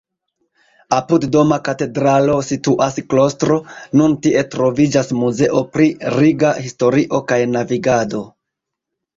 Apud Doma Katedralo situas klostro, nun tie troviĝas Muzeo pri Riga historio kaj navigado.